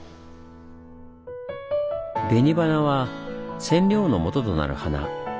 紅花は染料のもととなる花。